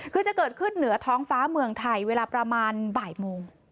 คือจะเกิดขึ้นเหนือท้องฟ้าเมืองไทยเวลาประมาณบ่ายโมง